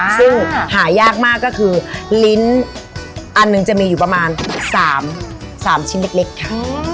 ซึ่งหายากมากก็คือลิ้นอันหนึ่งจะมีอยู่ประมาณ๓ชิ้นเล็กค่ะ